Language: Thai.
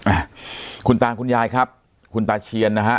ขอบคุณหมายให้ท่านคุณตาคุณยายครับคุณตาเชียรนะฮะ